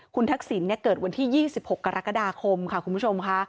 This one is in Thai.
คุณทักษิณเกิดวันที่๒๖กรกฎาคมค่ะคุณผู้ชมค่ะ